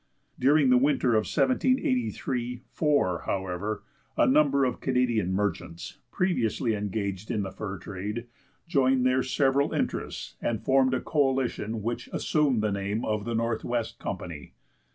During the winter of 1783 4, however, a number of Canadian merchants, previously engaged in the fur trade, joined their several interests, and formed a coalition which assumed the name of the Northwest Company.